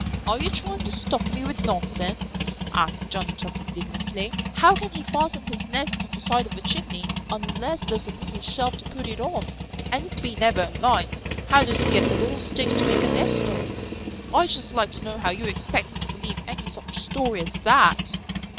"Are you trying to stuff me with nonsense?" asked Johnny Chuck indignantly. "How can he fasten his nest to the side of a chimney unless there's a little shelf to put it on? And if he never alights, how does he get the little sticks to make a nest of? I'd just like to know how you expect me to believe any such story as that."